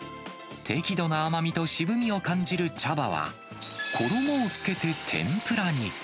適度な甘みと渋みを感じる茶葉は、衣をつけて天ぷらに。